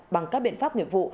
bằng các biện pháp nguyện vụ